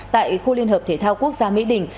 tại khu liên hợp thể thao quốc gia mỹ đình